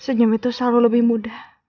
senyum itu selalu lebih mudah